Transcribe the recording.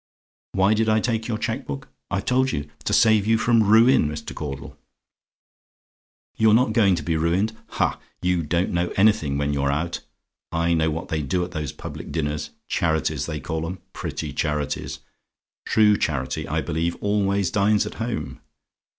"WHY DID I TAKE YOUR CHEQUE BOOK? "I've told you to save you from ruin, Mr. Caudle. "YOU'RE NOT GOING TO BE RUINED? "Ha! you don't know anything when you're out! I know what they do at those public dinners charities, they call 'em; pretty charities! True Charity, I believe, always dines at home.